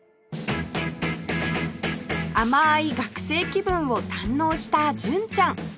甘い学生気分を堪能した純ちゃん